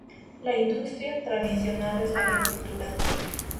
La industria tradicional es la agricultura.